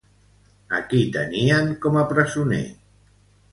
A qui tenien com a presoner?